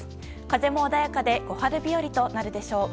風も穏やかで小春日和となるでしょう。